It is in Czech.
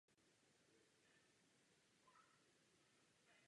Mimo okrasných účelů je využíván také jako zdroj dřeva.